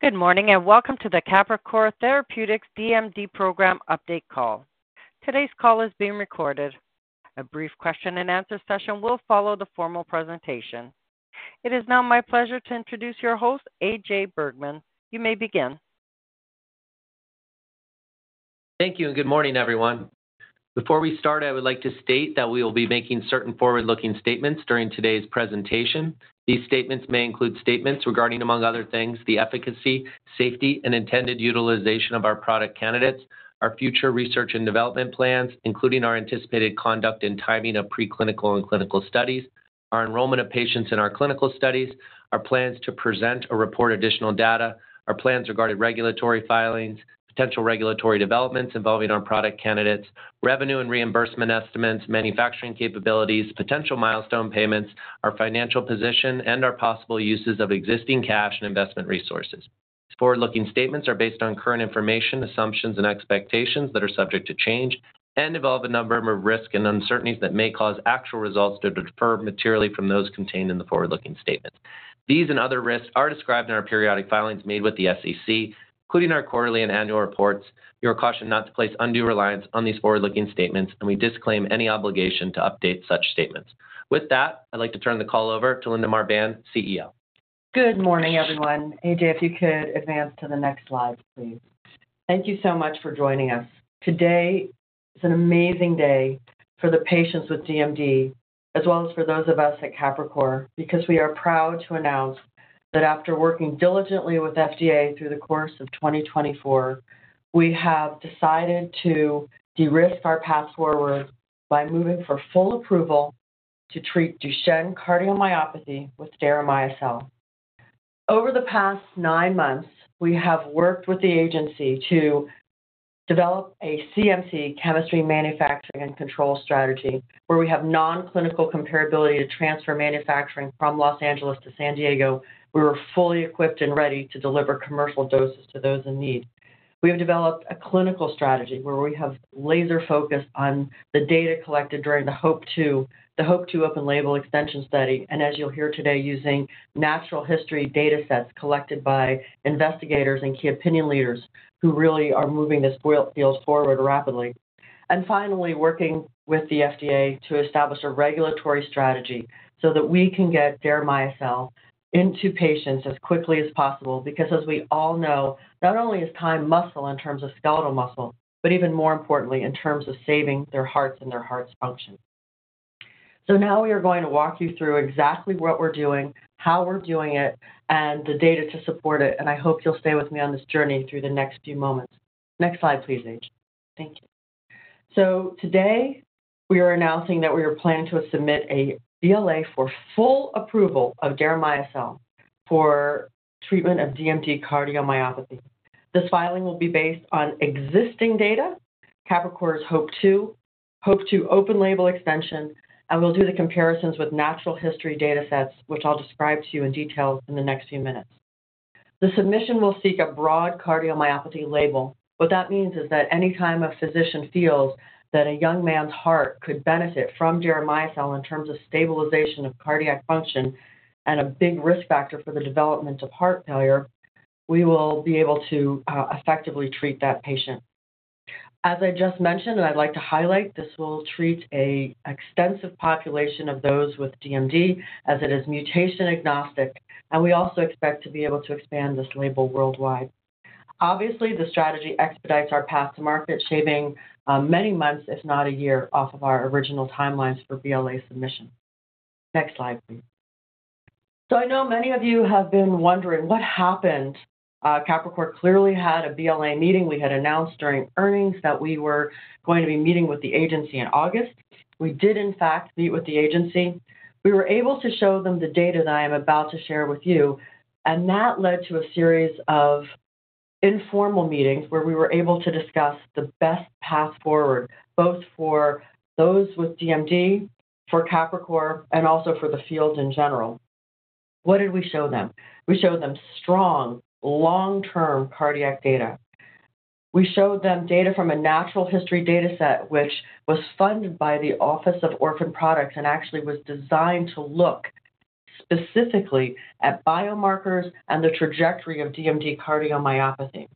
Good morning, and welcome to the Capricor Therapeutics DMD Program Update Call. Today's call is being recorded. A brief Q&A session will follow the formal presentation. It is now my pleasure to introduce your host, A.J. Bergmann. You may begin. Thank you, and good morning, everyone. Before we start, I would like to state that we will be making certain forward-looking statements during today's presentation. These statements may include statements regarding, among other things, the efficacy, safety, and intended utilization of our product candidates. Our future research and development plans, including our anticipated conduct and timing of preclinical and clinical studies. Our enrollment of patients in our clinical studies. Our plans to present or report additional data, our plans regarding regulatory filings, potential regulatory developments involving our product candidates, revenue and reimbursement estimates, manufacturing capabilities, potential milestone payments, our financial position, and our possible uses of existing cash and investment resources. Forward-looking statements are based on current information, assumptions, and expectations that are subject to change and involve a number of risks and uncertainties that may cause actual results to differ materially from those contained in the forward-looking statements. These and other risks are described in our periodic filings made with the SEC, including our quarterly and annual reports. You are cautioned not to place undue reliance on these forward-looking statements, and we disclaim any obligation to update such statements. With that, I'd like to turn the call over to Linda Marbán, CEO. Good morning, everyone. A.J., if you could advance to the next slide, please. Thank you so much for joining us. Today is an amazing day for the patients with DMD, as well as for those of us at Capricor, because we are proud to announce that after working diligently with FDA through the course of twenty twenty-four, we have decided to de-risk our path forward by moving for full approval to treat Duchenne cardiomyopathy with Deramiocel. Over the past nine months, we have worked with the agency to develop a CMC, chemistry, manufacturing, and control strategy, where we have non-clinical comparability to transfer manufacturing from Los Angeles to San Diego. We are fully equipped and ready to deliver commercial doses to those in need. We have developed a clinical strategy where we have laser-focused on the data collected during the HOPE-2, the HOPE-2 open label extension study, and as you'll hear today, using natural history data sets collected by investigators and key opinion leaders who really are moving this field forward rapidly, and finally, working with the FDA to establish a regulatory strategy so that we can get Deramiocel into patients as quickly as possible, because as we all know, not only is time muscle in terms of skeletal muscle, but even more importantly, in terms of saving their hearts and their heart's function, so now we are going to walk you through exactly what we're doing, how we're doing it, and the data to support it, and I hope you'll stay with me on this journey through the next few moments. Next slide, please, A.J. Thank you. So today, we are announcing that we are planning to submit a BLA for full approval of Deramiocel for treatment of DMD cardiomyopathy. This filing will be based on existing data, Capricor's HOPE-2, HOPE-2 open label extension, and we'll do the comparisons with natural history data sets, which I'll describe to you in detail in the next few minutes. The submission will seek a broad cardiomyopathy label. What that means is that any time a physician feels that a young man's heart could benefit from Deramiocel in terms of stabilization of cardiac function and a big risk factor for the development of heart failure, we will be able to effectively treat that patient. As I just mentioned, and I'd like to highlight, this will treat an extensive population of those with DMD as it is mutation agnostic, and we also expect to be able to expand this label worldwide. Obviously, the strategy expedites our path to market, shaving many months, if not a year, off of our original timelines for BLA submission. Next slide, please. So I know many of you have been wondering what happened. Capricor clearly had a BLA meeting. We had announced during earnings that we were going to be meeting with the agency in August. We did, in fact, meet with the agency. We were able to show them the data that I am about to share with you, and that led to a series of informal meetings where we were able to discuss the best path forward, both for those with DMD, for Capricor, and also for the field in general. What did we show them? We showed them strong, long-term cardiac data. We showed them data from a natural history dataset, which was funded by the Office of Orphan Products Development, and actually was designed to look specifically at biomarkers and the trajectory of DMD cardiomyopathy.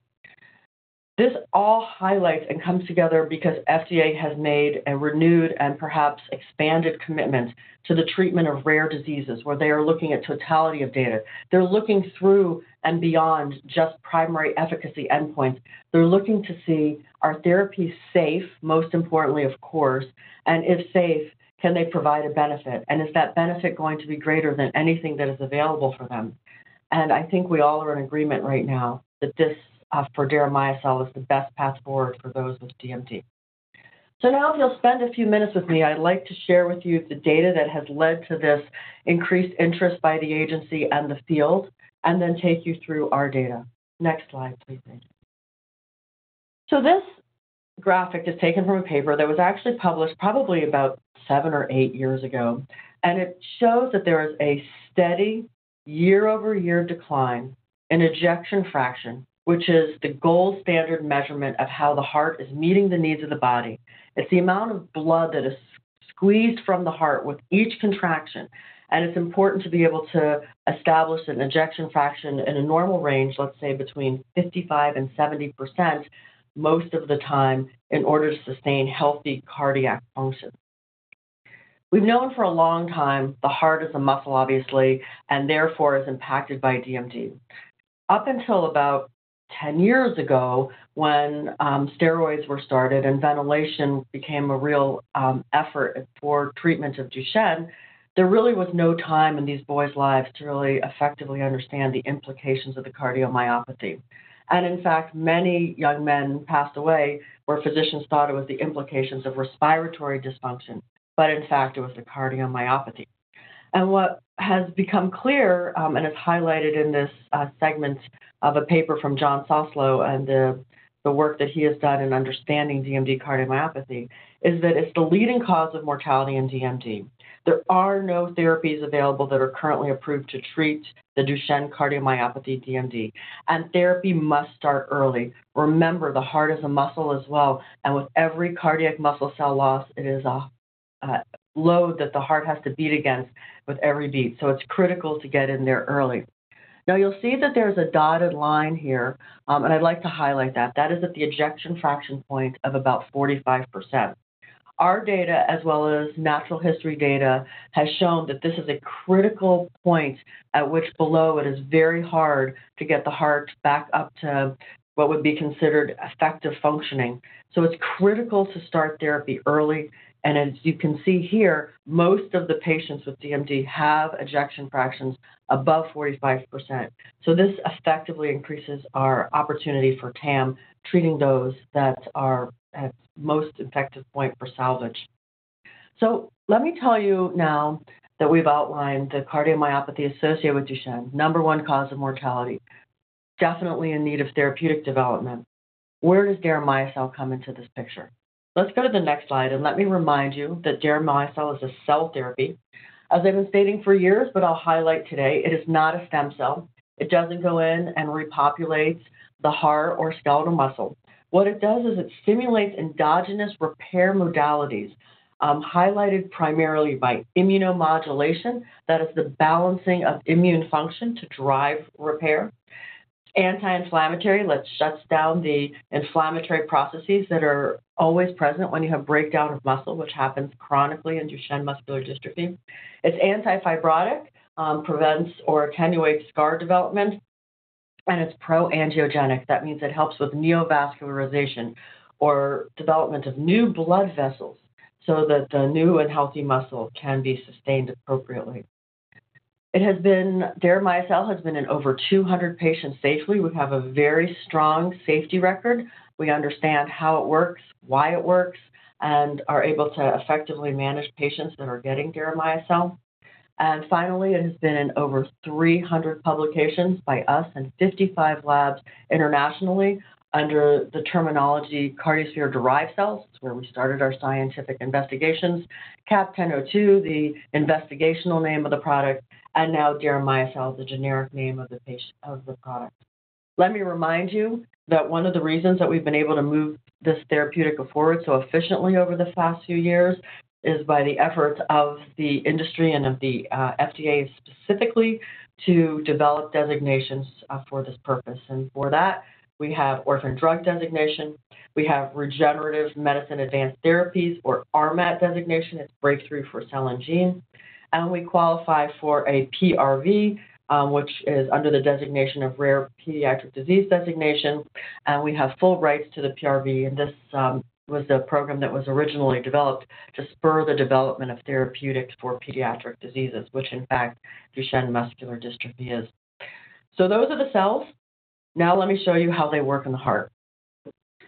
This all highlights and comes together because FDA has made a renewed and perhaps expanded commitment to the treatment of rare diseases, where they are looking at totality of data. They're looking through and beyond just primary efficacy endpoints. They're looking to see: are therapies safe, most importantly, of course, and if safe, can they provide a benefit? And is that benefit going to be greater than anything that is available for them? And I think we all are in agreement right now that this, for Deramiocel, is the best path forward for those with DMD. So now, if you'll spend a few minutes with me, I'd like to share with you the data that has led to this increased interest by the agency and the field, and then take you through our data. Next slide, please, A.J.. So this graphic is taken from a paper that was actually published probably about seven or eight years ago, and it shows that there is a steady year-over-year decline in ejection fraction, which is the gold standard measurement of how the heart is meeting the needs of the body. It's the amount of blood that is squeezed from the heart with each contraction, and it's important to be able to establish an ejection fraction in a normal range, let's say between 55% and 70%, most of the time in order to sustain healthy cardiac function. We've known for a long time the heart is a muscle, obviously, and therefore is impacted by DMD. Up until about 10 years ago, when steroids were started and ventilation became a real effort for treatment of Duchenne, there really was no time in these boys' lives to really effectively understand the implications of the cardiomyopathy, and in fact, many young men passed away where physicians thought it was the implications of respiratory dysfunction, but in fact, it was the cardiomyopathy. What has become clear, and is highlighted in this segment of a paper from Jonathan Soslow and the work that he has done in understanding DMD cardiomyopathy, is that it's the leading cause of mortality in DMD. There are no therapies available that are currently approved to treat the Duchenne cardiomyopathy DMD, and therapy must start early. Remember, the heart is a muscle as well, and with every cardiac muscle cell loss, it is a load that the heart has to beat against with every beat, so it's critical to get in there early. Now, you'll see that there's a dotted line here, and I'd like to highlight that. That is at the ejection fraction point of about 45%. Our data, as well as natural history data, has shown that this is a critical point at which below it is very hard to get the heart back up to what would be considered effective functioning, so it's critical to start therapy early, and as you can see here, most of the patients with DMD have ejection fractions above 45%. So this effectively increases our opportunity for TAM, treating those that are at most effective point for salvage, so let me tell you now that we've outlined the cardiomyopathy associated with Duchenne. Number one, cause of mortality, definitely in need of therapeutic development. Where does Deramiocel come into this picture? Let's go to the next slide, and let me remind you that Deramiocel is a cell therapy. As I've been stating for years, but I'll highlight today, it is not a stem cell. It doesn't go in and repopulates the heart or skeletal muscle. What it does is it stimulates endogenous repair modalities, highlighted primarily by immunomodulation. That is the balancing of immune function to drive repair. Anti-inflammatory, that shuts down the inflammatory processes that are always present when you have breakdown of muscle, which happens chronically in Duchenne muscular dystrophy. It's antifibrotic, prevents or attenuates scar development, and it's pro-angiogenic. That means it helps with neovascularization or development of new blood vessels so that the new and healthy muscle can be sustained appropriately. It has been Deramiocel has been in over two hundred patients safely. We have a very strong safety record. We understand how it works, why it works, and are able to effectively manage patients that are getting Deramiocel. Finally, it has been in over 300 publications by us and 55 labs internationally under the terminology Cardiosphere-Derived Cells. It's where we started our scientific investigations. CAP-1002, the investigational name of the product, and now Deramiocel, the generic name of the product. Let me remind you that one of the reasons that we've been able to move this therapeutic forward so efficiently over the past few years is by the efforts of the industry and of the FDA specifically to develop designations for this purpose. And for that, we have Orphan Drug Designation, we have Regenerative Medicine Advanced Therapies, or RMAT designation. It's breakthrough for cell and gene. And we qualify for a PRV, which is under the designation of Rare Pediatric Disease Designation, and we have full rights to the PRV, and this was a program that was originally developed to spur the development of therapeutics for pediatric diseases, which in fact, Duchenne muscular dystrophy is. So those are the cells. Now let me show you how they work in the heart.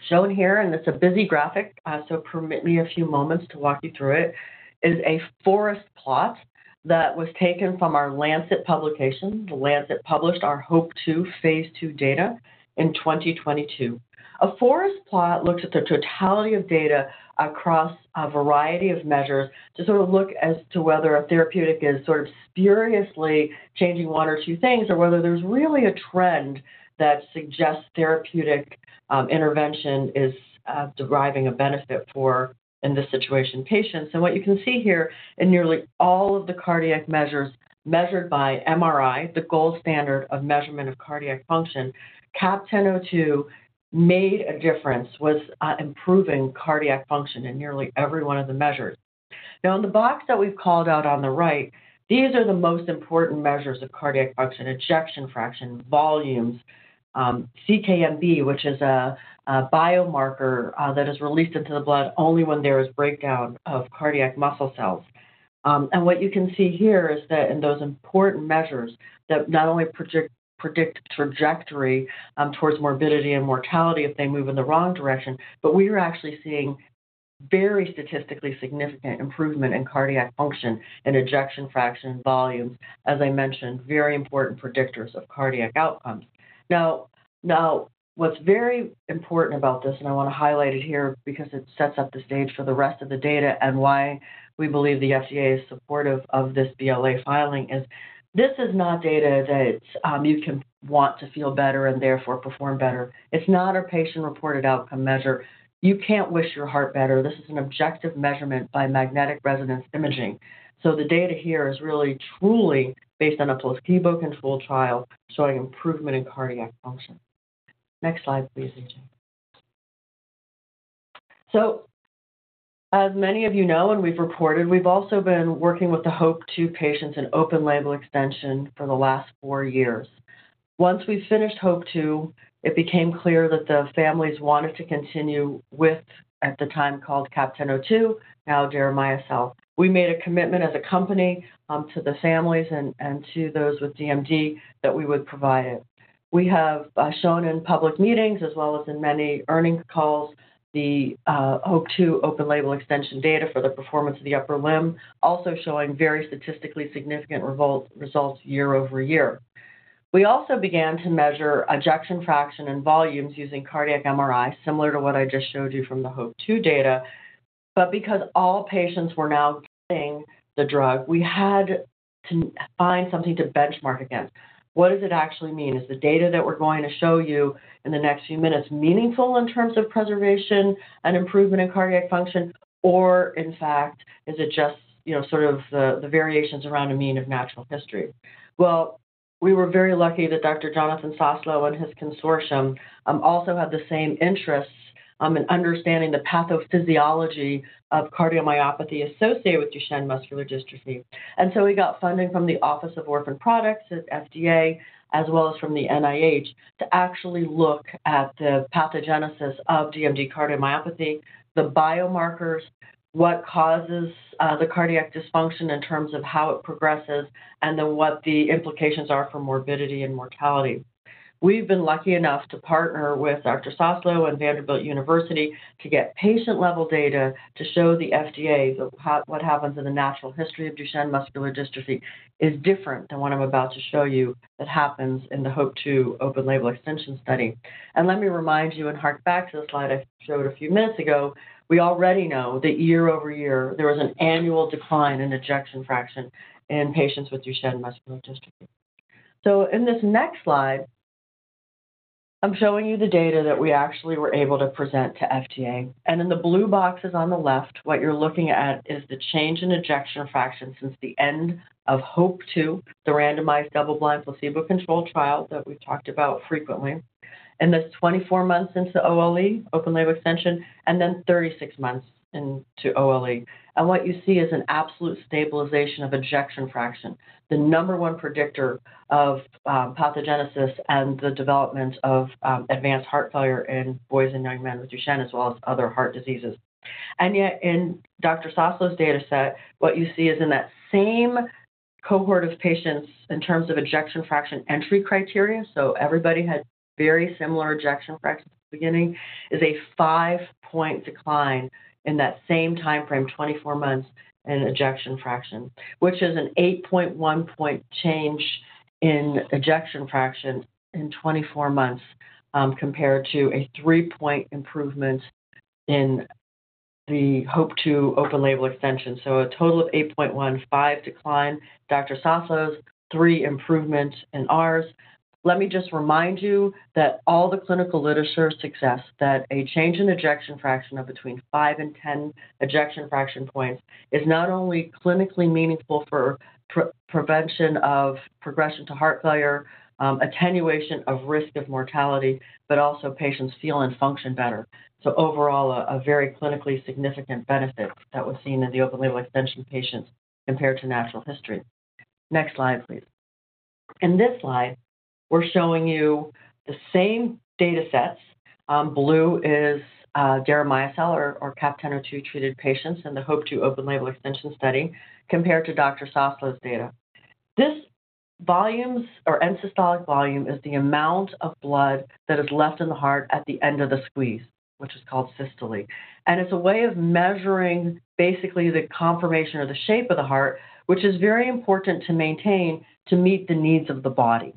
Shown here, and it's a busy graphic, so permit me a few moments to walk you through it, is a forest plot that was taken from our Lancet publication. The Lancet published our Hope two phase two data in 2022. A forest plot looks at the totality of data across a variety of measures to sort of look as to whether a therapeutic is sort of spuriously changing one or two things, or whether there's really a trend that suggests therapeutic intervention is deriving a benefit for, in this situation, patients, and what you can see here in nearly all of the cardiac measures measured by MRI, the gold standard of measurement of cardiac function, CAP-1002 made a difference, was improving cardiac function in nearly every one of the measures. Now, in the box that we've called out on the right, these are the most important measures of cardiac function: ejection fraction, volumes, CK-MB, which is a biomarker that is released into the blood only when there is breakdown of cardiac muscle cells. And what you can see here is that in those important measures that not only predict trajectory towards morbidity and mortality if they move in the wrong direction, but we are actually seeing very statistically significant improvement in cardiac function and ejection fraction volumes. As I mentioned, very important predictors of cardiac outcomes. Now, what's very important about this, and I want to highlight it here because it sets up the stage for the rest of the data and why we believe the FDA is supportive of this BLA filing, is this is not data that you can want to feel better and therefore perform better. It's not a patient-reported outcome measure. You can't wish your heart better. This is an objective measurement by magnetic resonance imaging. So the data here is really, truly based on a placebo-controlled trial showing improvement in cardiac function. Next slide, please, A.J. So as many of you know, and we've reported, we've also been working with the HOPE-2 patients in open label extension for the last four years. Once we finished HOPE-2, it became clear that the families wanted to continue with, at the time, called CAP-1002, now Deramiocel. We made a commitment as a company to the families and to those with DMD that we would provide it. We have shown in public meetings as well as in many earnings calls the HOPE-2 open label extension data for the performance of the upper limb, also showing very statistically significant results year-over-year. We also began to measure ejection fraction and volumes using cardiac MRI, similar to what I just showed you from the HOPE-2 data. But because all patients were now getting the drug, we had to find something to benchmark against. What does it actually mean? Is the data that we're going to show you in the next few minutes meaningful in terms of preservation and improvement in cardiac function? Or in fact, is it just, you know, sort of the variations around a mean of natural history? Well, we were very lucky that Dr. Jonathan Soslow and his consortium also had the same interests in understanding the pathophysiology of cardiomyopathy associated with Duchenne muscular dystrophy. And so we got funding from the Office of Orphan Products at FDA, as well as from the NIH, to actually look at the pathogenesis of DMD cardiomyopathy, the biomarkers, what causes the cardiac dysfunction in terms of how it progresses, and then what the implications are for morbidity and mortality. We've been lucky enough to partner with Dr. Soslow and Vanderbilt University to get patient-level data to show the FDA that what happens in the natural history of Duchenne muscular dystrophy is different than what I'm about to show you, that happens in the HOPE-2 open label extension study, and let me remind you, and hark back to the slide I showed a few minutes ago, we already know that year-over-year, there was an annual decline in ejection fraction in patients with Duchenne muscular dystrophy, so in this next slide, I'm showing you the data that we actually were able to present to FDA. In the blue boxes on the left, what you're looking at is the change in ejection fraction since the end of HOPE-2, the randomized, double-blind, placebo-controlled trial that we've talked about frequently, and that's 24 months into OLE, open label extension, and then 36 months into OLE. What you see is an absolute stabilization of ejection fraction, the number one predictor of pathogenesis and the development of advanced heart failure in boys and young men with Duchenne, as well as other heart diseases. Yet, in Dr. Soslow's data set, what you see is in that same cohort of patients in terms of ejection fraction entry criteria, so everybody had very similar ejection fractions at the beginning, is a 5-point decline in that same time frame, 24 months, in ejection fraction, which is an 8.1-point change in ejection fraction in 24 months, compared to a 3-point improvement in the HOPE-2 open label extension. So a total of 8.15 decline, Dr. Soslow's 3 improvement in ours. Let me just remind you that all the clinical literature success, that a change in ejection fraction of between 5 and 10 ejection fraction points is not only clinically meaningful for prevention of progression to heart failure, attenuation of risk of mortality, but also patients feel and function better. Overall, a very clinically significant benefit that was seen in the open label extension patients compared to natural history. Next slide, please. In this slide, we're showing you the same data sets. Blue is Deramiocel or CAP-1002-treated patients in the HOPE-2 open label extension study compared to Dr. Soslow's data. This volume or end-systolic volume is the amount of blood that is left in the heart at the end of the squeeze, which is called systole. It's a way of measuring basically the conformation or the shape of the heart, which is very important to maintain to meet the needs of the body.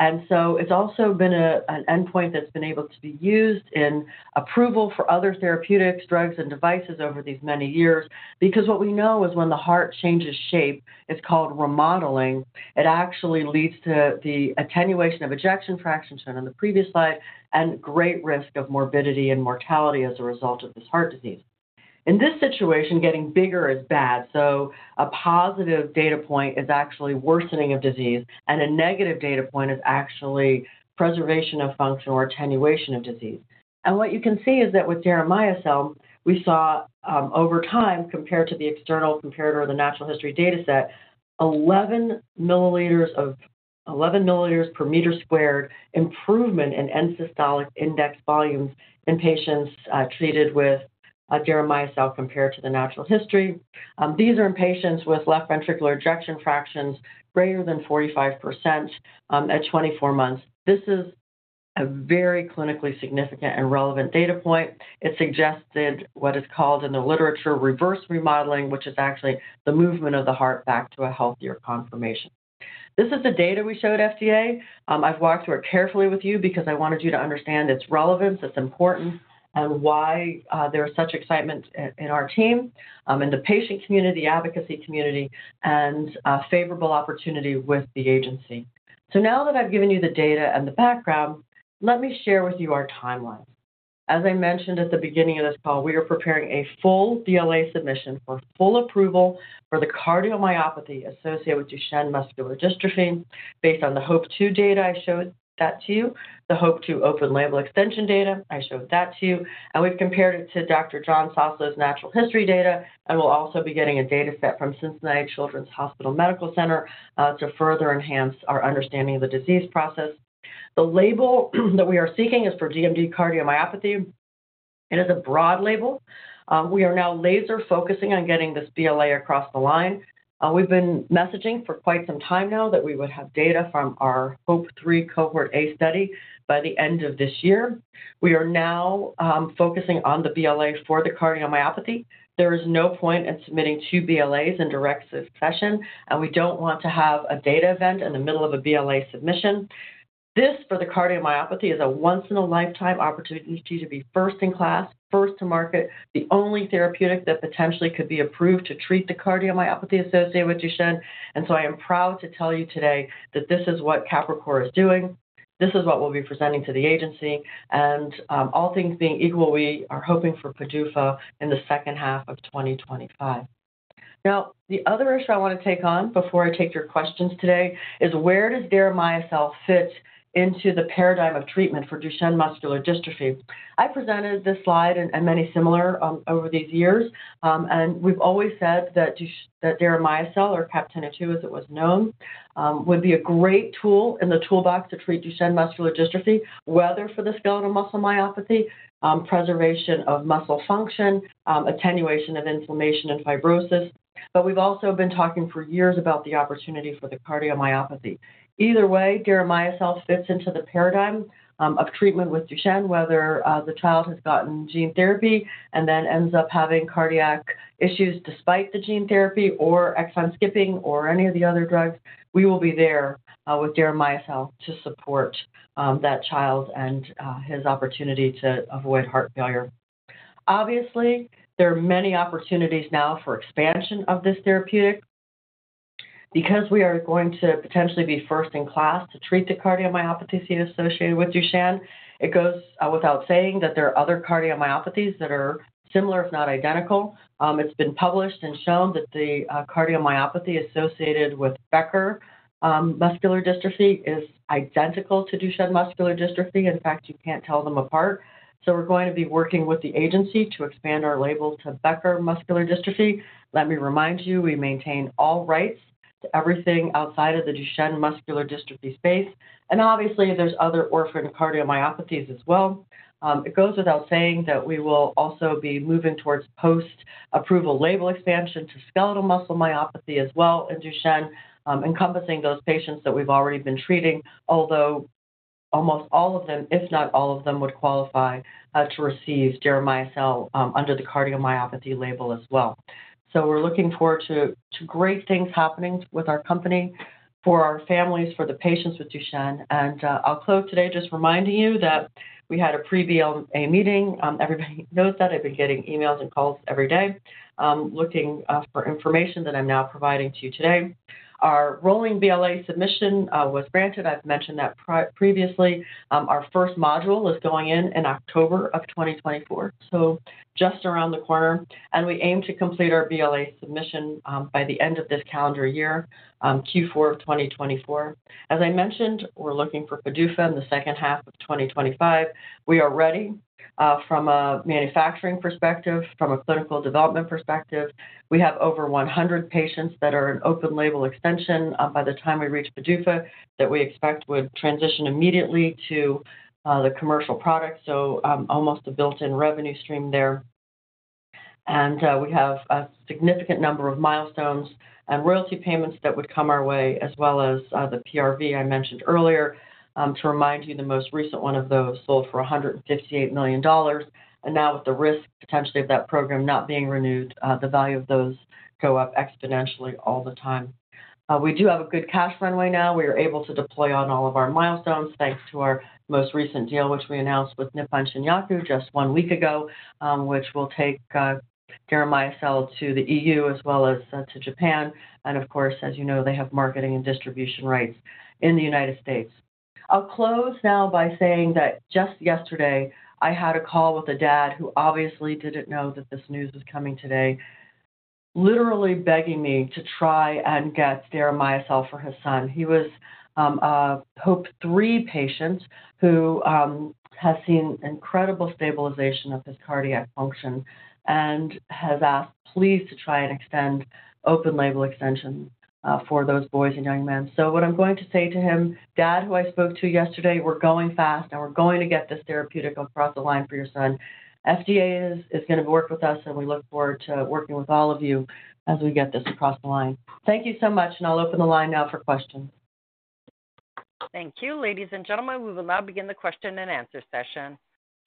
It's also been an endpoint that's been able to be used in approval for other therapeutics, drugs, and devices over these many years. Because what we know is when the heart changes shape, it's called remodeling. It actually leads to the attenuation of ejection fraction, shown on the previous slide, and great risk of morbidity and mortality as a result of this heart disease. In this situation, getting bigger is bad, so a positive data point is actually worsening of disease, and a negative data point is actually preservation of function or attenuation of disease. And what you can see is that with Deramiocel, we saw over time, compared to the external comparator of the natural history data set, 11 milliliters per meter squared improvement in end-systolic index volumes in patients treated with Deramiocel compared to the natural history. These are in patients with left ventricular ejection fractions greater than 45% at 24 months. This is a very clinically significant and relevant data point. It suggested what is called in the literature reverse remodeling, which is actually the movement of the heart back to a healthier conformation. This is the data we showed FDA. I've walked through it carefully with you because I wanted you to understand its relevance, its importance, and why there is such excitement in our team, in the patient community, advocacy community, and favorable opportunity with the agency, so now that I've given you the data and the background, let me share with you our timeline. As I mentioned at the beginning of this call, we are preparing a full BLA submission for full approval for the cardiomyopathy associated with Duchenne muscular dystrophy. Based on the HOPE-2 data, I showed that to you. The HOPE-2 open label extension data, I showed that to you, and we've compared it to Dr. Jonathan Soslow's natural history data, and we'll also be getting a data set from Cincinnati Children's Hospital Medical Center, to further enhance our understanding of the disease process. The label that we are seeking is for DMD cardiomyopathy. It is a broad label. We are now laser-focusing on getting this BLA across the line. We've been messaging for quite some time now that we would have data from our HOPE-3 cohort A study by the end of this year. We are now, focusing on the BLA for the cardiomyopathy. There is no point in submitting two BLAs in direct succession, and we don't want to have a data event in the middle of a BLA submission. This, for the cardiomyopathy, is a once in a lifetime opportunity to be first in class, first to market, the only therapeutic that potentially could be approved to treat the cardiomyopathy associated with Duchenne. And so I am proud to tell you today that this is what Capricor is doing, this is what we'll be presenting to the agency, and all things being equal, we are hoping for PDUFA in the second half of 2025. Now, the other issue I want to take on before I take your questions today is where does Deramiocel fit into the paradigm of treatment for Duchenne muscular dystrophy? I presented this slide and many similar over these years, and we've always said that Deramiocel, or CAP-1002, as it was known, would be a great tool in the toolbox to treat Duchenne muscular dystrophy, whether for the skeletal muscle myopathy, preservation of muscle function, attenuation of inflammation and fibrosis. But we've also been talking for years about the opportunity for the cardiomyopathy. Either way, Deramiocel fits into the paradigm of treatment with Duchenne, whether the child has gotten gene therapy and then ends up having cardiac issues despite the gene therapy, or exon skipping, or any of the other drugs. We will be there with Deramiocel to support that child and his opportunity to avoid heart failure. Obviously, there are many opportunities now for expansion of this therapeutic. Because we are going to potentially be first in class to treat the cardiomyopathy associated with Duchenne, it goes without saying that there are other cardiomyopathies that are similar, if not identical. It's been published and shown that the cardiomyopathy associated with Becker muscular dystrophy is identical to Duchenne muscular dystrophy. In fact, you can't tell them apart. So we're going to be working with the agency to expand our labels to Becker muscular dystrophy. Let me remind you, we maintain all rights to everything outside of the Duchenne muscular dystrophy space, and obviously there's other orphan cardiomyopathies as well. It goes without saying that we will also be moving towards post-approval label expansion to skeletal muscle myopathy as well in Duchenne, encompassing those patients that we've already been treating, although almost all of them, if not all of them, would qualify to receive Deramiocel under the cardiomyopathy label as well. So we're looking forward to great things happening with our company, for our families, for the patients with Duchenne. I'll close today just reminding you that we had a pre-BLA meeting. Everybody knows that. I've been getting emails and calls every day looking for information that I'm now providing to you today. Our rolling BLA submission was granted. I've mentioned that previously. Our first module is going in October of 2024, so just around the corner, and we aim to complete our BLA submission by the end of this calendar year, Q4 of 2024. As I mentioned, we're looking for PDUFA in the second half of 2025. We are ready from a manufacturing perspective, from a clinical development perspective. We have over 100 patients that are in open label extension by the time we reach PDUFA, that we expect would transition immediately to the commercial product. So, almost a built-in revenue stream there. And we have a significant number of milestones and royalty payments that would come our way, as well as the PRV I mentioned earlier. To remind you, the most recent one of those sold for $158 million, and now with the risk, potentially, of that program not being renewed, the value of those go up exponentially all the time. We do have a good cash runway now. We are able to deploy on all of our milestones, thanks to our most recent deal, which we announced with Nippon Shinyaku just one week ago, which will take Deramiocel to the EU as well as to Japan. And of course, as you know, they have marketing and distribution rights in the United States. I'll close now by saying that just yesterday, I had a call with a dad who obviously didn't know that this news was coming today, literally begging me to try and get Deramiocel for his son. He was a HOPE-3 patient who has seen incredible stabilization of his cardiac function and has asked please to try and extend open label extension for those boys and young men. So what I'm going to say to him, "Dad, who I spoke to yesterday, we're going fast and we're going to get this therapeutic across the line for your son." FDA is going to work with us, and we look forward to working with all of you as we get this across the line. Thank you so much, and I'll open the line now for questions. Thank you. Ladies and gentlemen, we will now begin the Q&A session.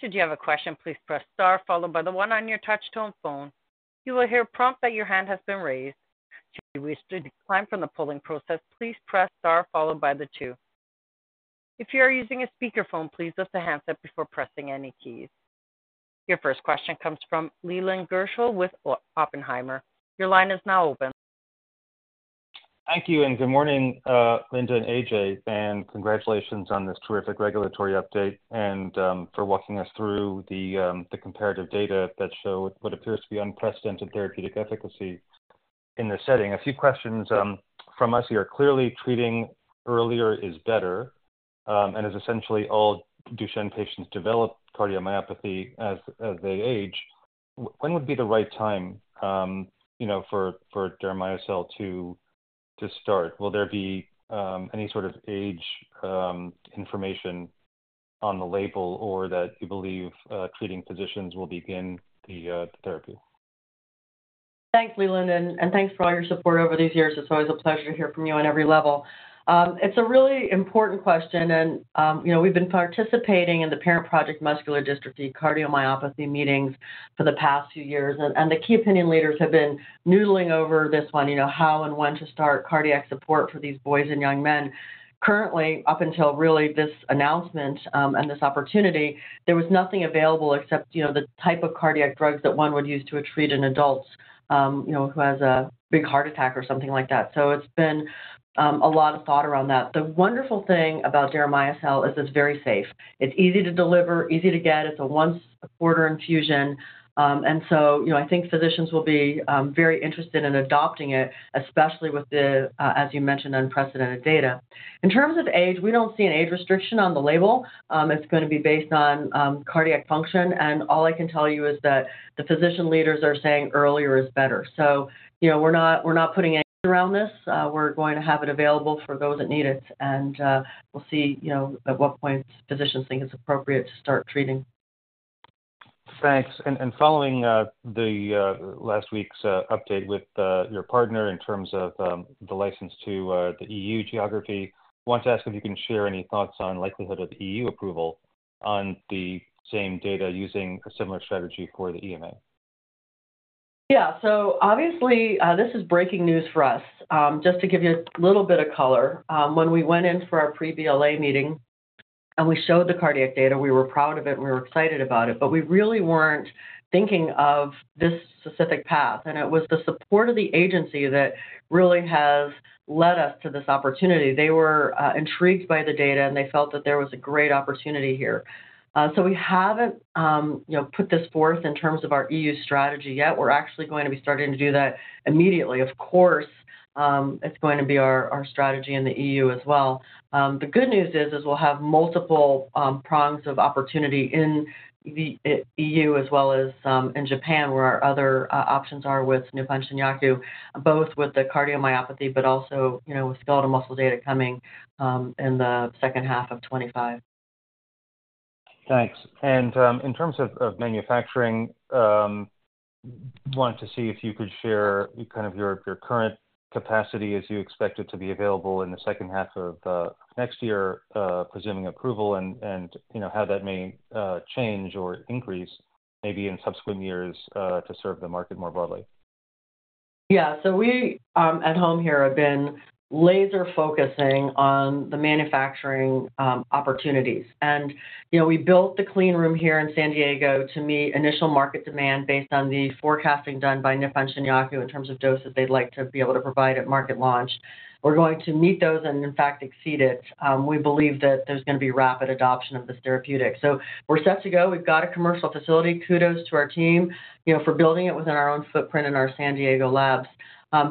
Should you have a question, please press star followed by the one on your touch-tone phone. You will hear a prompt that your hand has been raised. Should you wish to decline from the polling process, please press star followed by the two. If you are using a speakerphone, please lift the handset before pressing any keys. Your first question comes from Leland Gershell with Oppenheimer. Your line is now open. Thank you, and good morning, Linda and A.J., and congratulations on this terrific regulatory update and for walking us through the comparative data that show what appears to be unprecedented therapeutic efficacy in this setting. A few questions from us here. Clearly, treating earlier is better, and as essentially all Duchenne patients develop cardiomyopathy as they age, when would be the right time, you know, for Deramiocel to start? Will there be any sort of age information on the label or that you believe treating physicians will begin the therapy? Thanks, Leland, and thanks for all your support over these years. It's always a pleasure to hear from you on every level. It's a really important question, and, you know, we've been participating in the Parent Project Muscular Dystrophy cardiomyopathy meetings for the past few years, and the key opinion leaders have been noodling over this one, you know, how and when to start cardiac support for these boys and young men. Currently, up until really this announcement, and this opportunity, there was nothing available except, you know, the type of cardiac drugs that one would use to treat an adult, you know, who has a big heart attack or something like that. So it's been, a lot of thought around that. The wonderful thing about Deramiocel is it's very safe. It's easy to deliver, easy to get. It's a once a quarter infusion, and so, you know, I think physicians will be very interested in adopting it, especially with the, as you mentioned, unprecedented data. In terms of age, we don't see an age restriction on the label. It's gonna be based on cardiac function, and all I can tell you is that the physician leaders are saying earlier is better, so you know, we're not putting anything around this. We're going to have it available for those that need it, and we'll see, you know, at what point physicians think it's appropriate to start treating. Thanks. And following last week's update with your partner in terms of the license to the EU geography, wanted to ask if you can share any thoughts on likelihood of EU approval on the same data using a similar strategy for the EMA. Yeah. So obviously, this is breaking news for us. Just to give you a little bit of color, when we went in for our pre-BLA meeting and we showed the cardiac data, we were proud of it, and we were excited about it, but we really weren't thinking of this specific path, and it was the support of the agency that really has led us to this opportunity. They were intrigued by the data, and they felt that there was a great opportunity here. So we haven't, you know, put this forth in terms of our EU strategy yet. We're actually going to be starting to do that immediately. Of course, it's going to be our strategy in the EU as well. The good news is we'll have multiple prongs of opportunity in the EU as well as in Japan, where our other options are with Nippon Shinyaku, both with the cardiomyopathy, but also, you know, with skeletal muscle data coming in the second half of 2025. Thanks. And in terms of manufacturing, wanted to see if you could share kind of your current capacity as you expect it to be available in the second half of next year, presuming approval and you know how that may change or increase maybe in subsequent years to serve the market more broadly? Yeah. So we at home here have been laser-focusing on the manufacturing opportunities. And, you know, we built the clean room here in San Diego to meet initial market demand based on the forecasting done by Nippon Shinyaku in terms of doses they'd like to be able to provide at market launch. We're going to meet those and, in fact, exceed it. We believe that there's gonna be rapid adoption of this therapeutic. So we're set to go. We've got a commercial facility. Kudos to our team, you know, for building it within our own footprint in our San Diego labs.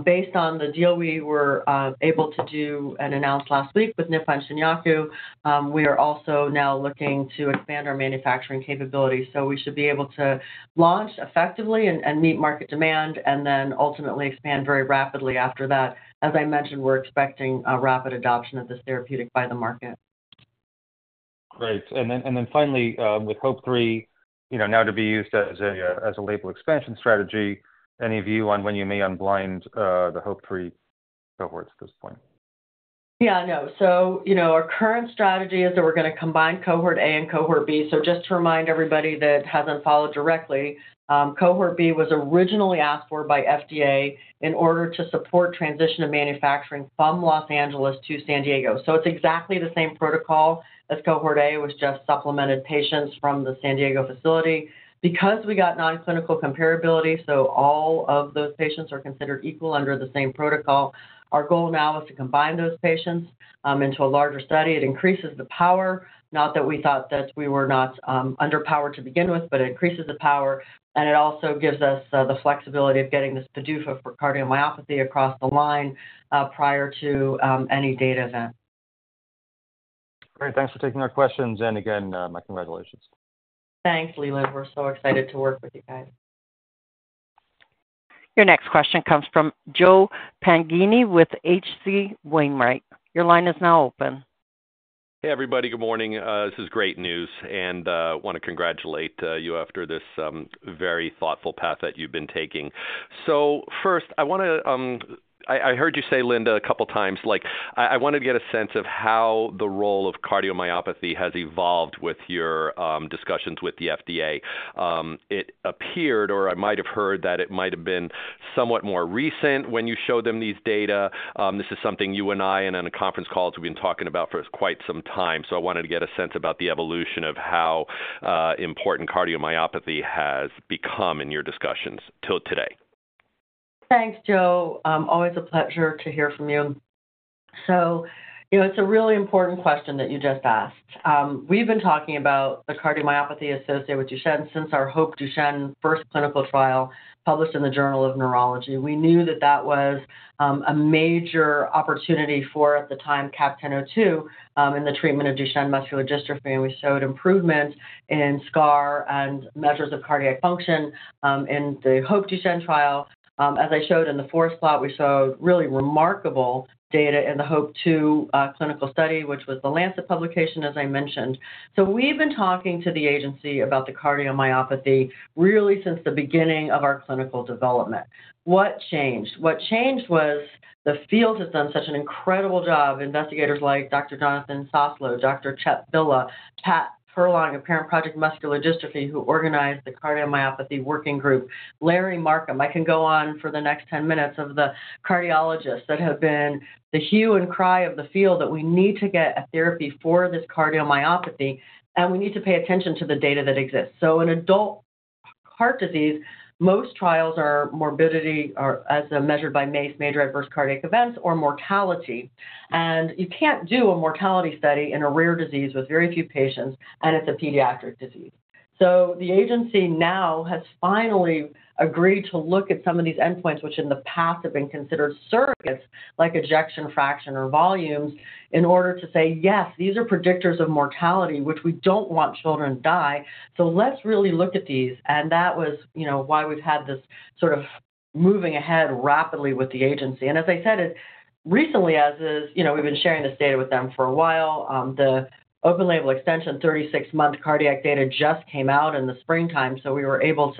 Based on the deal we were able to do and announce last week with Nippon Shinyaku, we are also now looking to expand our manufacturing capabilities. So we should be able to launch effectively and meet market demand and then ultimately expand very rapidly after that. As I mentioned, we're expecting a rapid adoption of this therapeutic by the market. Great. And then finally, with HOPE-3, you know, now to be used as a label expansion strategy, any view on when you may unblind the HOPE-3 cohorts at this point? Yeah, no. So, you know, our current strategy is that we're gonna combine cohort A and cohort B. So just to remind everybody that hasn't followed directly, cohort B was originally asked for by FDA in order to support transition of manufacturing from Los Angeles to San Diego. So it's exactly the same protocol as cohort A, which just supplemented patients from the San Diego facility. Because we got non-clinical comparability, so all of those patients are considered equal under the same protocol. Our goal now is to combine those patients into a larger study. It increases the power, not that we thought that we were not underpowered to begin with, but it increases the power, and it also gives us the flexibility of getting this PDUFA for cardiomyopathy across the line prior to any data event. Great. Thanks for taking our questions, and again, my congratulations. Thanks, Leland. We're so excited to work with you guys. Your next question comes from Joe Pantginis with H.C. Wainwright. Your line is now open. Hey, everybody. Good morning. This is great news, and want to congratulate you after this very thoughtful path that you've been taking. So first, I want to, I heard you say, Linda, a couple of times, like, I wanted to get a sense of how the role of cardiomyopathy has evolved with your discussions with the FDA. This is something you and I, and on the conference calls, we've been talking about for quite some time. So I wanted to get a sense about the evolution of how important cardiomyopathy has become in your discussions till today. Thanks, Joe. Always a pleasure to hear from you. So it's a really important question that you just asked. We've been talking about the cardiomyopathy associated with Duchenne since our HOPE Duchenne first clinical trial, published in the Journal of Neurology. We knew that that was a major opportunity for, at the time, CAP-1002, in the treatment of Duchenne muscular dystrophy, and we showed improvement in scar and measures of cardiac function in the HOPE Duchenne trial. As I showed in the fourth slide, we saw really remarkable data in the HOPE-2 clinical study, which was The Lancet publication, as I mentioned. So we've been talking to the agency about the cardiomyopathy, really since the beginning of our clinical development. What changed? What changed was the field has done such an incredible job. Investigators like Dr. Jonathan Soslow, Dr. Chet Villa, Pat Furlong, of Parent Project Muscular Dystrophy, who organized the cardiomyopathy working group, Larry Markham. I can go on for the next 10 minutes of the cardiologists that have been the hue and cry of the field, that we need to get a therapy for this cardiomyopathy, and we need to pay attention to the data that exists. So in adult heart disease, most trials are morbidity or as measured by MACE, major adverse cardiac events or mortality. And you can't do a mortality study in a rare disease with very few patients, and it's a pediatric disease. So the agency now has finally agreed to look at some of these endpoints, which in the past have been considered surrogates, like ejection fraction or volumes, in order to say, yes, these are predictors of mortality, which we don't want children to die, so let's really look at these. And that was, you know, why we've had this sort of moving ahead rapidly with the agency. And as I said, it recently, as is, you know, we've been sharing this data with them for a while. The open label extension, 36-month cardiac data just came out in the springtime, so we were able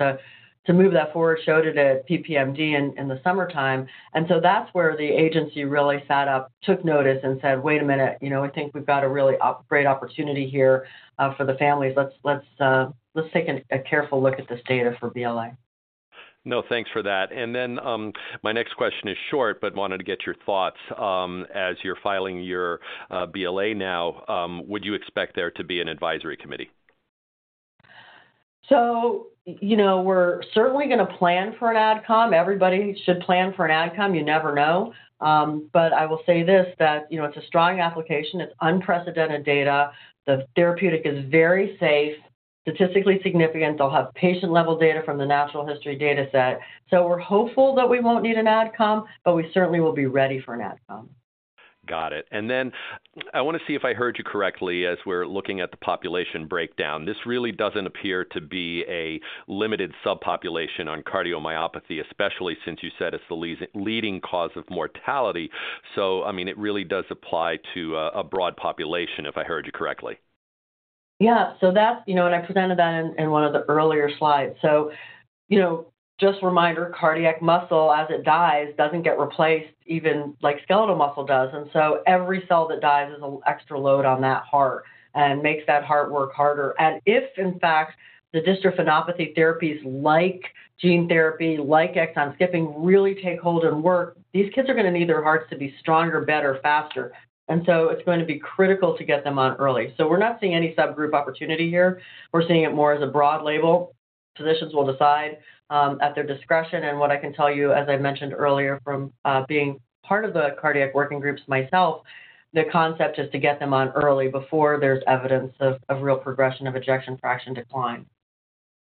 to move that forward, showed it at PPMD in the summertime. And so that's where the agency really sat up, took notice and said, "Wait a minute, you know, I think we've got a really great opportunity here for the families. Let's take a careful look at this data for BLA. No, thanks for that, and then my next question is short, but wanted to get your thoughts. As you're filing your BLA now, would you expect there to be an advisory committee? So, you know, we're certainly going to plan for an Ad Com. Everybody should plan for an Ad Com, you never know. But I will say this, that, you know, it's a strong application, it's unprecedented data. The therapeutic is very safe, statistically significant. They'll have patient-level data from the Natural History Dataset. So we're hopeful that we won't need an Ad Com, but we certainly will be ready for an Ad Com. Got it. And then I want to see if I heard you correctly as we're looking at the population breakdown. This really doesn't appear to be a limited subpopulation on cardiomyopathy, especially since you said it's the leading cause of mortality. So, I mean, it really does apply to a broad population, if I heard you correctly. Yeah. So that's, you know, and I presented that in one of the earlier slides. So, you know, just a reminder, cardiac muscle, as it dies, doesn't get replaced, even like skeletal muscle does. And so every cell that dies is an extra load on that heart and makes that heart work harder. And if, in fact, the dystrophinopathy therapies like gene therapy, like exon skipping, really take hold and work, these kids are going to need their hearts to be stronger, better, faster. And so it's going to be critical to get them on early. So we're not seeing any subgroup opportunity here. We're seeing it more as a broad label. Physicians will decide at their discretion. What I can tell you, as I mentioned earlier, from being part of the cardiac working groups myself, the concept is to get them on early before there's evidence of real progression of ejection fraction decline.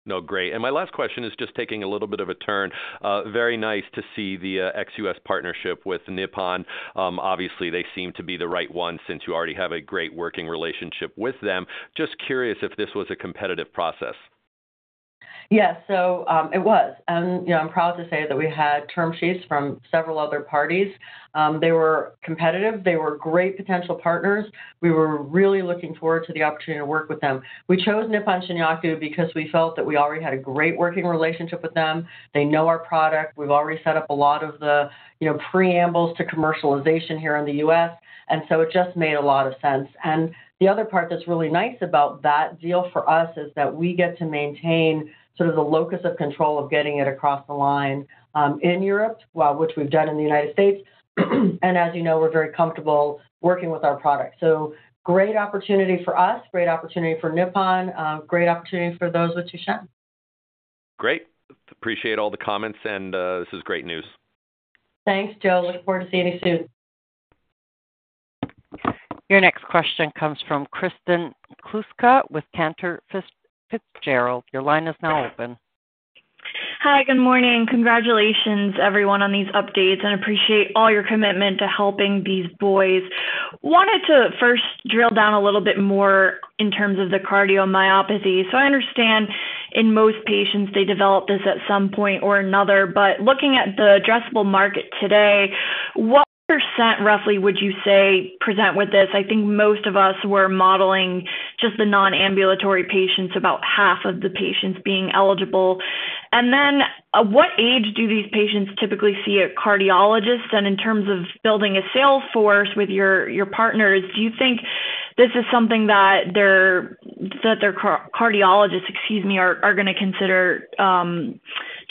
No, great. And my last question is just taking a little bit of a turn. Very nice to see the ex-US partnership with Nippon. Obviously, they seem to be the right one since you already have a great working relationship with them. Just curious if this was a competitive process? Yes, so, it was, and, you know, I'm proud to say that we had term sheets from several other parties. They were competitive. They were great potential partners. We were really looking forward to the opportunity to work with them. We chose Nippon Shinyaku because we felt that we already had a great working relationship with them. They know our product. We've already set up a lot of the, you know, preambles to commercialization here in the U.S., and so it just made a lot of sense, and the other part that's really nice about that deal for us is that we get to maintain sort of the locus of control of getting it across the line, in Europe, well, which we've done in the United States, and as you know, we're very comfortable working with our product. So great opportunity for us, great opportunity for Nippon, great opportunity for those with Duchenne. Great. Appreciate all the comments, and this is great news. Thanks, Joe. Look forward to seeing you soon. Your next question comes from Kristen Kluska with Cantor Fitzgerald. Your line is now open. Hi, good morning. Congratulations, everyone, on these updates, and appreciate all your commitment to helping these boys. Wanted to first drill down a little bit more in terms of the cardiomyopathy. So I understand in most patients, they develop this at some point or another. But looking at the addressable market today, what %, roughly, would you say present with this? I think most of us were modeling just the non-ambulatory patients, about half of the patients being eligible.... And then, at what age do these patients typically see a cardiologist? And in terms of building a sales force with your partners, do you think this is something that their cardiologists, excuse me, are going to consider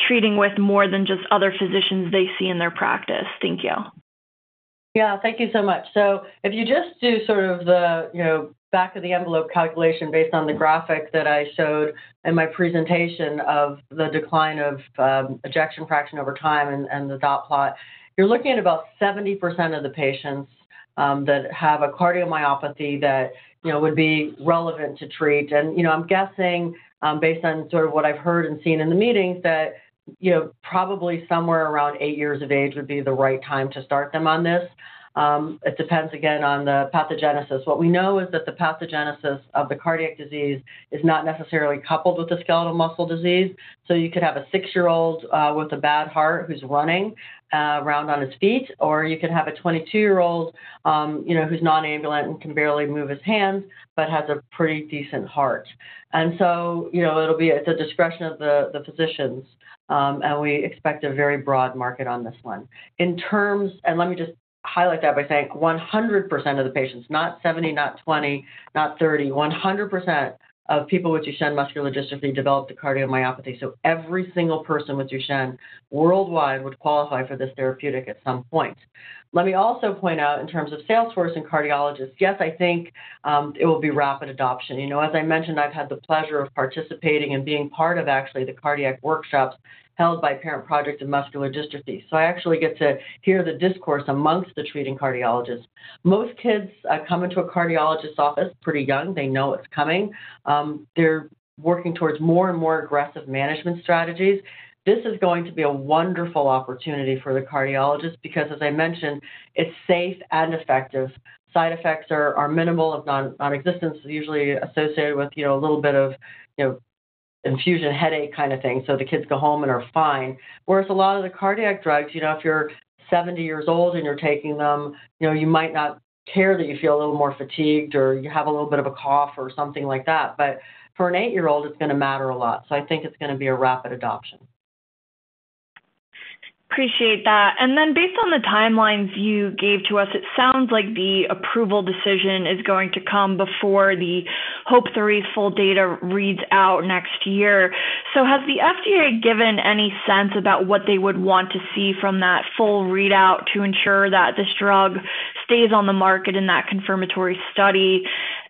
treating with more than just other physicians they see in their practice? Thank you. Yeah, thank you so much. So if you just do sort of the, you know, back of the envelope calculation based on the graphic that I showed in my presentation of the decline of, ejection fraction over time and the dot plot, you're looking at about 70% of the patients that have a cardiomyopathy that, you know, would be relevant to treat. And, you know, I'm guessing, based on sort of what I've heard and seen in the meetings, that, you know, probably somewhere around eight years of age would be the right time to start them on this. It depends, again, on the pathogenesis. What we know is that the pathogenesis of the cardiac disease is not necessarily coupled with the skeletal muscle disease. You could have a six-year-old with a bad heart who's running around on his feet, or you could have a twenty-two-year-old, you know, who's non-ambulant and can barely move his hands, but has a pretty decent heart. You know, it will be at the discretion of the physicians, and we expect a very broad market on this one. Let me just highlight that by saying 100% of the patients, not 70, not 20, not 30, 100% of people with Duchenne muscular dystrophy developed a cardiomyopathy. Every single person with Duchenne worldwide would qualify for this therapeutic at some point. Let me also point out, in terms of sales force and cardiologists, yes, I think it will be rapid adoption. You know, as I mentioned, I've had the pleasure of participating and being part of actually the cardiac workshops held by Parent Project Muscular Dystrophy, so I actually get to hear the discourse among the treating cardiologists. Most kids come into a cardiologist office pretty young. They know it's coming. They're working towards more and more aggressive management strategies. This is going to be a wonderful opportunity for the cardiologist because, as I mentioned, it's safe and effective. Side effects are minimal, if nonexistent, usually associated with, you know, a little bit of, you know, infusion headache kind of thing, so the kids go home and are fine. Whereas a lot of the cardiac drugs, you know, if you're seventy years old and you're taking them, you know, you might not care that you feel a little more fatigued or you have a little bit of a cough or something like that. But for an eight-year-old, it's going to matter a lot. So I think it's going to be a rapid adoption. Appreciate that. And then based on the timelines you gave to us, it sounds like the approval decision is going to come before the HOPE-3 full data reads out next year. So has the FDA given any sense about what they would want to see from that full readout to ensure that this drug stays on the market in that confirmatory study?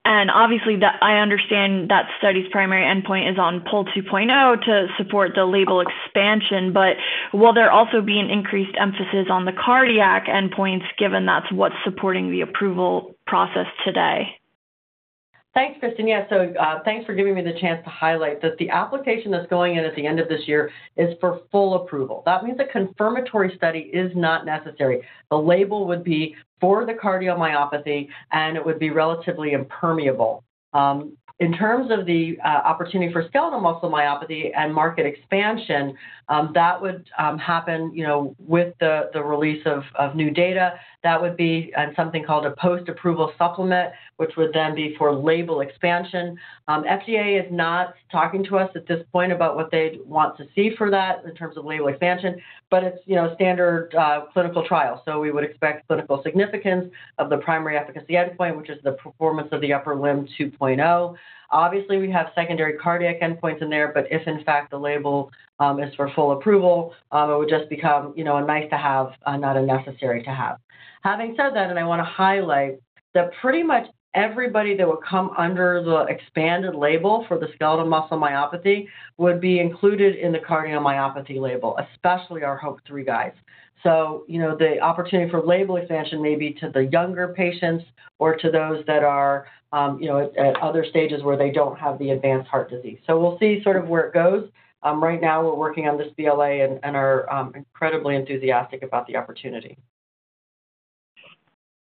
And obviously, the, I understand that study's primary endpoint is on PUL 2.0 to support the label expansion, but will there also be an increased emphasis on the cardiac endpoints, given that's what's supporting the approval process today? Thanks, Kristen. Yeah, so thanks for giving me the chance to highlight that the application that's going in at the end of this year is for full approval. That means a confirmatory study is not necessary. The label would be for the cardiomyopathy, and it would be relatively impermeable. In terms of the opportunity for skeletal muscle myopathy and market expansion, that would happen, you know, with the release of new data. That would be on something called a post-approval supplement, which would then be for label expansion. FDA is not talking to us at this point about what they'd want to see for that in terms of label expansion, but it's, you know, standard clinical trial. So we would expect clinical significance of the primary efficacy endpoint, which is the Performance of the Upper Limb 2.0. Obviously, we have secondary cardiac endpoints in there, but if in fact, the label is for full approval, it would just become, you know, a nice to have, not a necessary to have. Having said that, and I want to highlight, that pretty much everybody that would come under the expanded label for the skeletal muscle myopathy would be included in the cardiomyopathy label, especially our HOPE-3 guys. So, you know, the opportunity for label expansion may be to the younger patients or to those that are, you know, at other stages where they don't have the advanced heart disease. So we'll see sort of where it goes. Right now, we're working on this BLA and are incredibly enthusiastic about the opportunity.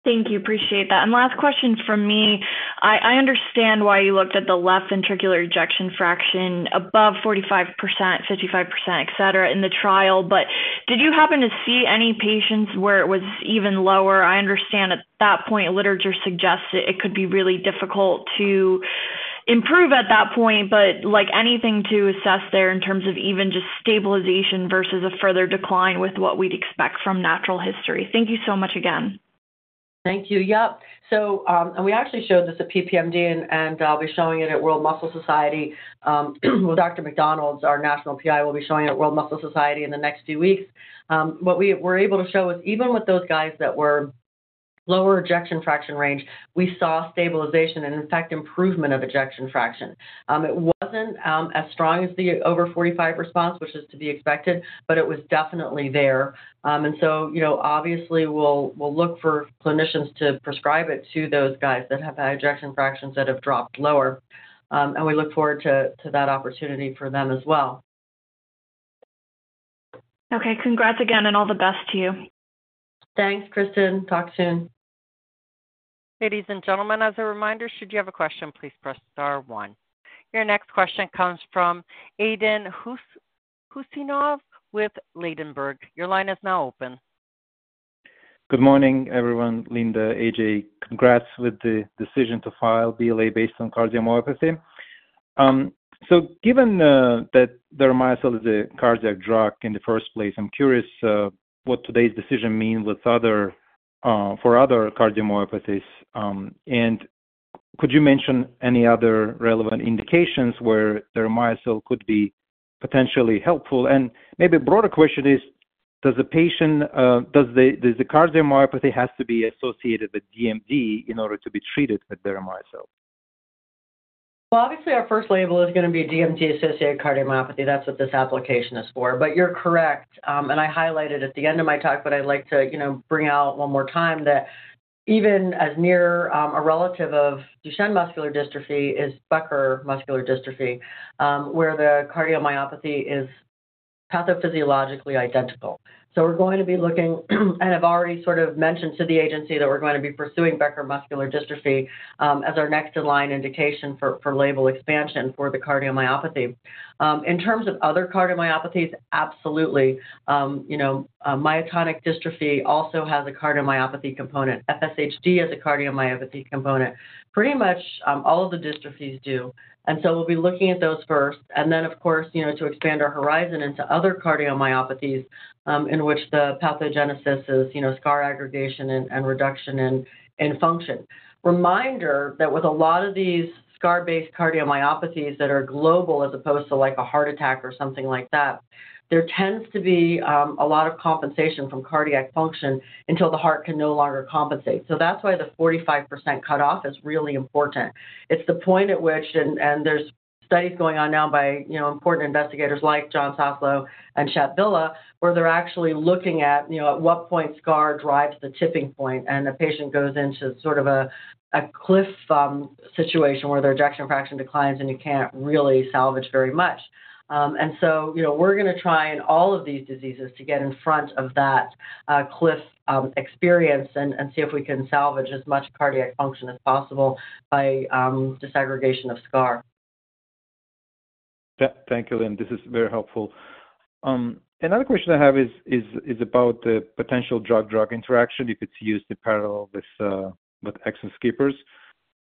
Thank you. Appreciate that and last question from me. I understand why you looked at the left ventricular ejection fraction above 45%, 55%, et cetera, in the trial, but did you happen to see any patients where it was even lower? I understand at that point, literature suggests that it could be really difficult to improve at that point, but like anything to assess there in terms of even just stabilization versus a further decline with what we'd expect from natural history. Thank you so much again. Thank you. Yep, and we actually showed this at PPMD, and I'll be showing it at World Muscle Society with Dr. McDonald, our national PI, will be showing it at World Muscle Society in the next few weeks. What we were able to show is even with those guys that were lower ejection fraction range, we saw stabilization and, in fact, improvement of ejection fraction. It wasn't as strong as the over 45 response, which is to be expected, but it was definitely there, you know, obviously we'll look for clinicians to prescribe it to those guys that have had ejection fractions that have dropped lower, and we look forward to that opportunity for them as well. Okay, congrats again, and all the best to you. Thanks, Kristen. Talk soon. Ladies and gentlemen, as a reminder, should you have a question, please press star one. Your next question comes from Aydin Huseynov with Ladenburg. Your line is now open.... Good morning, everyone. Linda, A.J., congrats with the decision to file BLA based on cardiomyopathy. So given that the Deramiocel is a cardiac drug in the first place, I'm curious what today's decision mean for other cardiomyopathies. And could you mention any other relevant indications where the Deramiocel could be potentially helpful? And maybe a broader question is, does the cardiomyopathy has to be associated with DMD in order to be treated with Deramiocel? Obviously, our first label is going to be DMD-associated cardiomyopathy. That's what this application is for. But you're correct, and I highlighted at the end of my talk, but I'd like to, you know, bring out one more time that even as near, a relative of Duchenne muscular dystrophy is Becker muscular dystrophy, where the cardiomyopathy is pathophysiologically identical. So we're going to be looking, and I've already sort of mentioned to the agency that we're going to be pursuing Becker muscular dystrophy, as our next in line indication for label expansion for the cardiomyopathy. In terms of other cardiomyopathies, absolutely, you know, myotonic dystrophy also has a cardiomyopathy component. FSHD has a cardiomyopathy component. Pretty much, all of the dystrophies do, and so we'll be looking at those first. Then, of course, you know, to expand our horizon into other cardiomyopathies, in which the pathogenesis is, you know, scar aggregation and reduction in function. Reminder that with a lot of these scar-based cardiomyopathies that are global, as opposed to like a heart attack or something like that, there tends to be a lot of compensation from cardiac function until the heart can no longer compensate. So that's why the 45% cutoff is really important. It's the point at which, and there's studies going on now by, you know, important investigators like John Soslow and Chet Villa, where they're actually looking at, you know, at what point scar drives the tipping point, and the patient goes into sort of a cliff situation where their ejection fraction declines, and you can't really salvage very much. And so, you know, we're gonna try in all of these diseases to get in front of that cliff experience and see if we can salvage as much cardiac function as possible by disaggregation of scar. Yeah. Thank you, Linda. This is very helpful. Another question I have is about the potential drug-drug interaction, if it's used in parallel with exon skippers.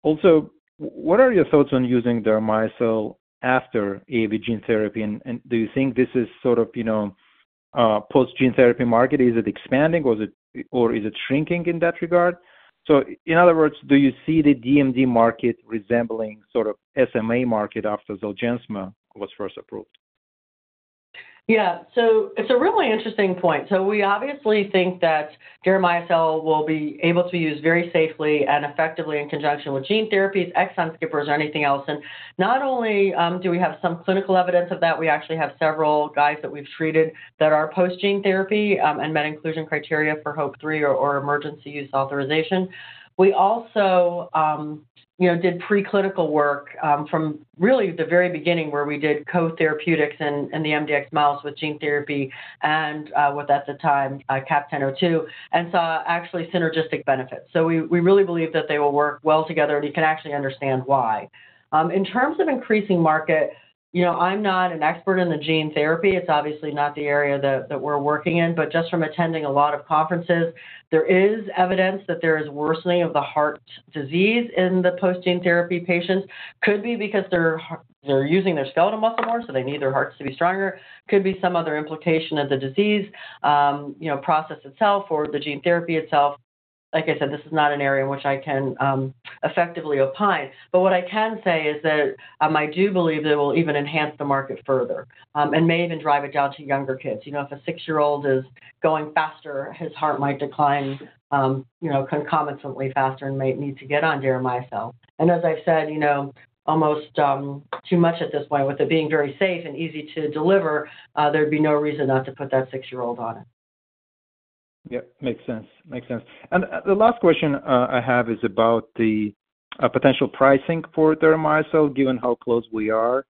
Also, what are your thoughts on using Deramiocel after AAV gene therapy? And do you think this is sort of, you know, post-gene therapy market? Is it expanding, or is it shrinking in that regard? So in other words, do you see the DMD market resembling sort of SMA market after Zolgensma was first approved? Yeah. So it's a really interesting point. So we obviously think that Deramiocel will be able to be used very safely and effectively in conjunction with gene therapies, exon skippers, or anything else. And not only do we have some clinical evidence of that, we actually have several guys that we've treated that are post gene therapy and met inclusion criteria for HOPE-3 or emergency use authorization. We also, you know, did preclinical work from really the very beginning, where we did co-therapeutics in the mdx mouse with gene therapy and what at the time CAP-1002, and saw actually synergistic benefits. So we really believe that they will work well together, and you can actually understand why. In terms of increasing market, you know, I'm not an expert in the gene therapy. It's obviously not the area that, that we're working in, but just from attending a lot of conferences, there is evidence that there is worsening of the heart disease in the post-gene therapy patients. Could be because they're they're using their skeletal muscle more, so they need their hearts to be stronger. Could be some other implication of the disease, you know, process itself or the gene therapy itself. Like I said, this is not an area in which I can effectively opine, but what I can say is that I do believe that it will even enhance the market further, and may even drive it down to younger kids. You know, if a six-year-old is going faster, his heart might decline, you know, concomitantly faster and might need to get on Deramiocel. As I've said, you know, almost too much at this point, with it being very safe and easy to deliver, there'd be no reason not to put that six-year-old on it. Yep, makes sense. Makes sense. And the last question I have is about the potential pricing for Deramiocel, given how close we are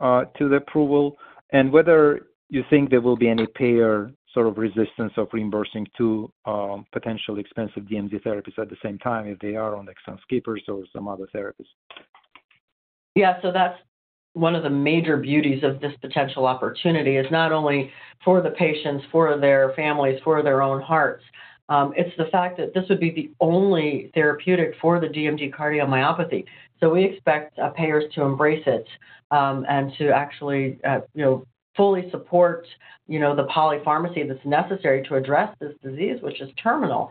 to the approval, and whether you think there will be any payer sort of resistance of reimbursing two potentially expensive DMD therapies at the same time if they are on exon skippers or some other therapies. Yeah. So that's one of the major beauties of this potential opportunity, is not only for the patients, for their families, for their own hearts. It's the fact that this would be the only therapeutic for the DMD cardiomyopathy. So we expect payers to embrace it, and to actually you know fully support you know the polypharmacy that's necessary to address this disease, which is terminal.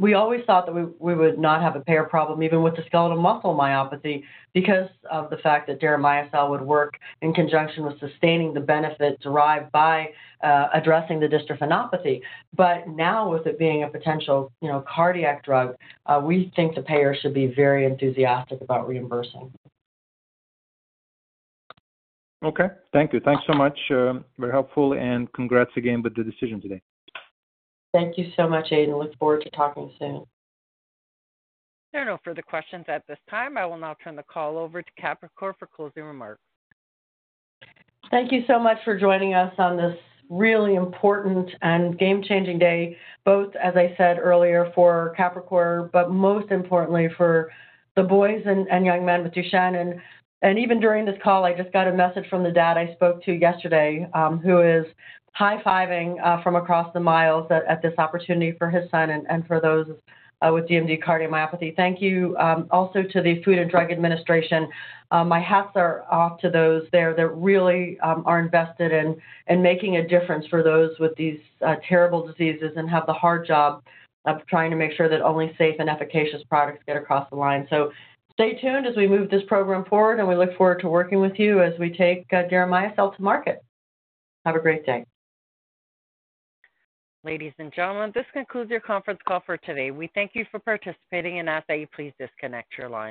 We always thought that we would not have a payer problem, even with the skeletal muscle myopathy, because of the fact that Deramiocel would work in conjunction with sustaining the benefit derived by addressing the dystrophinopathy. But now, with it being a potential you know cardiac drug, we think the payer should be very enthusiastic about reimbursing. Okay. Thank you. Thanks so much. Very helpful, and congrats again with the decision today. Thank you so much, Aydin. Look forward to talking soon. There are no further questions at this time. I will now turn the call over to Capricor for closing remarks. Thank you so much for joining us on this really important and game-changing day, both, as I said earlier, for Capricor, but most importantly for the boys and young men with Duchenne. And even during this call, I just got a message from the dad I spoke to yesterday who is high-fiving from across the miles at this opportunity for his son and for those with DMD cardiomyopathy. Thank you also to the Food and Drug Administration. My hats are off to those there that really are invested in making a difference for those with these terrible diseases and have the hard job of trying to make sure that only safe and efficacious products get across the line. So stay tuned as we move this program forward, and we look forward to working with you as we take Deramiocel to market. Have a great day. Ladies and gentlemen, this concludes your conference call for today. We thank you for participating and ask that you please disconnect your lines.